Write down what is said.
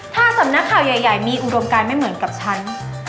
ถ้าสำนักข่าวใหญ่มีอุดมการไม่เหมือนกับฉัน